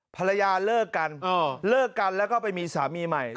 ภรรยาเลิกกันเลิกกันแล้วก็ไปมีสามีใหม่